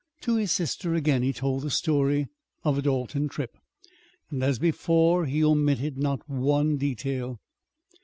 To his sister again he told the story of a Dalton trip, and, as before, he omitted not one detail.